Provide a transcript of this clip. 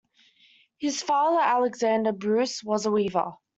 His father, Alexander Bruce, was a weaver.